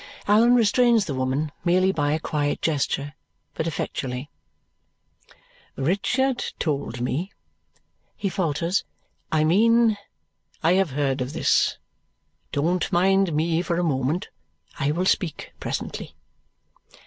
Allan restrains the woman, merely by a quiet gesture, but effectually. "Richard told me " He falters. "I mean, I have heard of this don't mind me for a moment, I will speak presently."